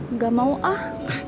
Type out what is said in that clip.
nggak mau ah